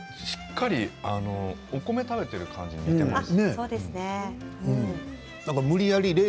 しっかりとお米を食べている感じが無理やり